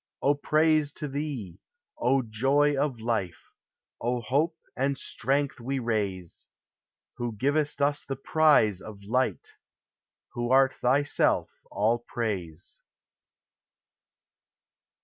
All praise to thee, O joy of life, O hope and strength, we raise, Who givest us the prize of light, who art thyself all praise.